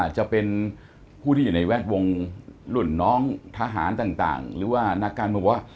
จะเป็นผู้ที่อยู่ในแวดวงรุ่นน้องทหารต่างหรือว่านักการเมืองว่า